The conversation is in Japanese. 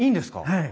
はい。